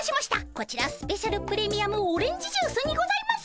こちらスペシャルプレミアムオレンジジュースにございます。